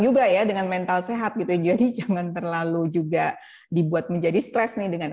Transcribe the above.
juga ya dengan mental sehat gitu jadi jangan terlalu juga dibuat menjadi stres nih dengan